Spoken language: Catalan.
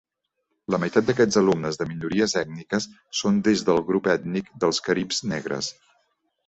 La meitat d'aquests alumnes de minories ètniques són des del grup ètnic dels caribs negres.